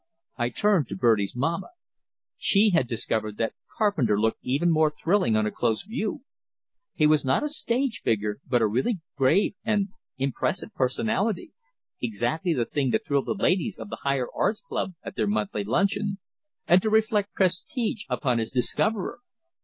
I turned to Bertie's mamma. She had discovered that Carpenter looked even more thrilling on a close view; he was not a stage figure, but a really grave and impressive personality, exactly the thing to thrill the ladies of the Higher Arts Club at their monthly luncheon, and to reflect prestige upon his discoverer.